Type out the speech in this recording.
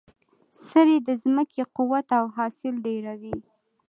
سرې د ځمکې قوت او حاصل ډیروي.